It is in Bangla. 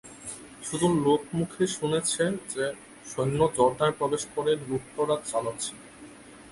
শুধু লোকমুখে শুনেছে যে, সৈন্য জর্দানে প্রবেশ করে লুটতরাজ চালাচ্ছে।